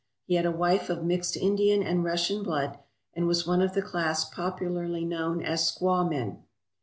He had a wife of mixed Indian and Russian blood, and was one of the class popularly known as "squaw men."